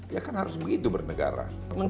ya kan harus begitu bernegara